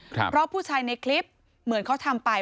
เพราะผู้ชายในคลิปเหมือนเขาทำไป